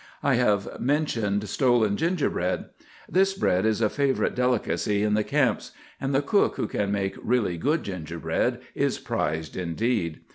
"I have mentioned stolen gingerbread. This bread is a favorite delicacy in the camps; and the cook who can make really good gingerbread is prized indeed.